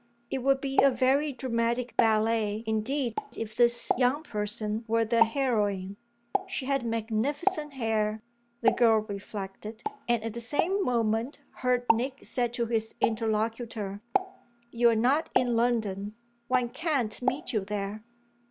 It would be a very dramatic ballet indeed if this young person were the heroine. She had magnificent hair, the girl reflected; and at the same moment heard Nick say to his interlocutor: "You're not in London one can't meet you there?"